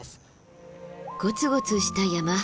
ゴツゴツした山肌。